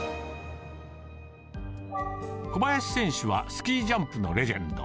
小林選手はスキージャンプのレジェンド。